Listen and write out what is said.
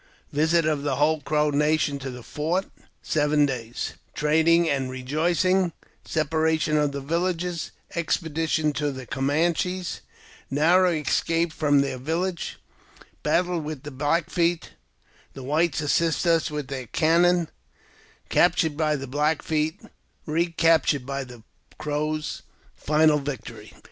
Visit of the whole Crow Nation to the Fort — Seven Days' Trading a: Bejoicing — Separation of the Villages — Expedition to the Camanches Narrow Escape from their Village — Battle with the Black Feet — The Whites assist us with their Cannon — Captured by the Black Feet captured by the Crows — Final Victory.